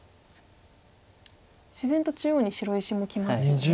自然と中央に白石もきますよね。